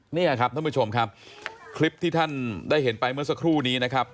นี่ครับท่านผู้ชมครับคลิปที่ท่านได้เห็นไปเมื่อสักครู่นี้นะครับ